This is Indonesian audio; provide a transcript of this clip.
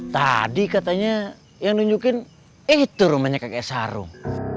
tadi katanya yang nunjukin eh itu rumahnya kakek sarung